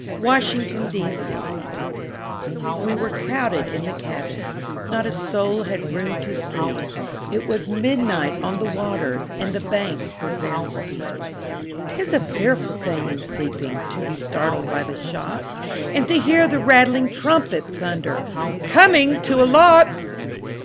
Field] WE were crowded in the cabin, Not a soul had room to sleep; It was midnight on the waters, And the banks were very steep. 'Tis a fearful thing when sleeping To be startled by the shock, And to hear the rattling trumpet Thunder, "Coming to a lock!"